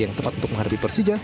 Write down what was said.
yang tepat untuk menghadapi persija